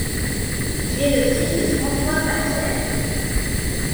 Il est le fils de François Vaxelaire.